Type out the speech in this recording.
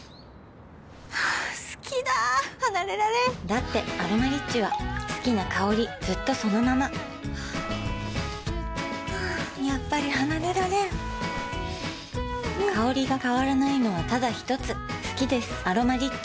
好きだ離れられんだって「アロマリッチ」は好きな香りずっとそのままやっぱり離れられん香りが変わらないのはただひとつ好きです「アロマリッチ」